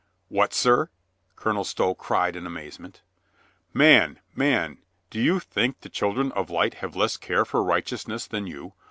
"What, sir?" Colonel Stow cried in amazement, "Man, man, do you think the children of light have less care for righteousness than you?